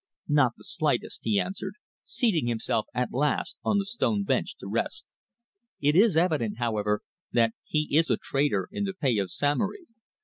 "Not the slightest," he answered, seating himself at last on the stone bench to rest. "It is evident, however, that he is a traitor in the pay of Samory.